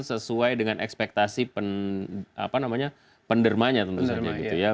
sesuai dengan ekspektasi pendermanya